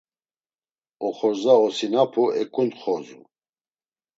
Oxorza osinapu eǩuntxozu.